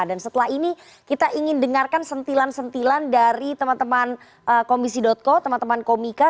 dan setelah ini kita ingin dengarkan sentilan sentilan dari teman teman komisi co teman teman komika